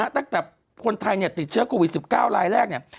ตั้งแต่คนไทยติดเชื้อโควิด๑๙รายแรกเนี่ย